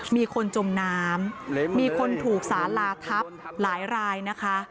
มีคนจมน้ำมีคนถูกสาลาทับหลายรายนะคะ